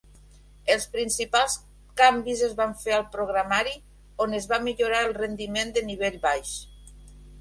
Els principals canvis es van fer al programari, on es va millorar el rendiment de nivell baix.